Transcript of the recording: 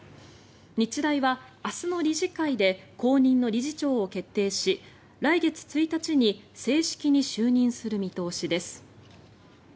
日大は明日の理事会で後任の理事長を決定し来月１日に正式に就任する見通しです。